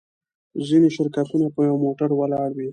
ځینې شرکتونه په یوه موټر ولاړ وي.